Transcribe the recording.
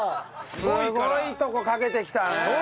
すごいとこかけてきたね。